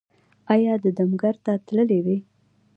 ایا د دم ګر ته تللي وئ؟